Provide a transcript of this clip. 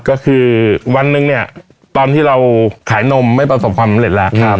ก็คือวันหนึ่งเนี่ยตอนที่เราขายนมไม่ประสบความสำเร็จแล้ว